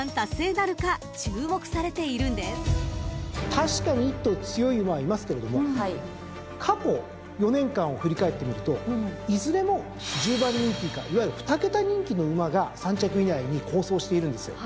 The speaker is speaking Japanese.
確かに１頭強い馬はいますけれども過去４年間を振り返ってみるといずれも１０番人気以下いわゆる２桁人気の馬が３着以内に好走しているんです。